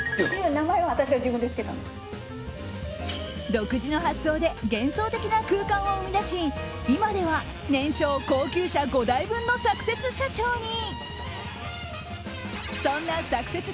独自の発想で幻想的な空間を生み出し今では、年商、高級車５台分のサクセス社長に。